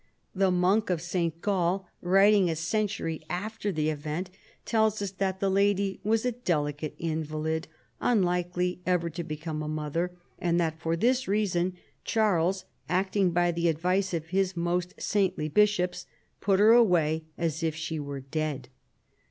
The monk of St. FALL OF THE LOMBARD MONARCHY. 11« Gall,* writing a century after the event, tells us that the lady was a delicate invalid, unlikely ever to be come a mother, and that for this reason Charles, act ing by the advice of his most saintly bishops, put her away as if she were dead.